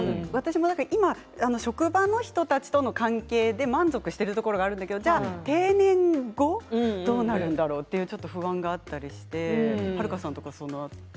今、職場の人たちの関係で満足しているところがあるけど定年後どうなるんだろう？という不安があったりして。